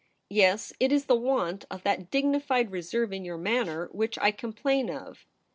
Yes, it is the want of that dignified reserve in your manner which I complain of.